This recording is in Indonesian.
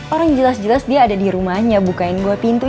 orang jelas jelas dia ada di rumahnya bukain gue pintu